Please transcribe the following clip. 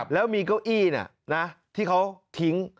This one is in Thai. แล้วมีเก้าอี้ที่เขาทิ้ง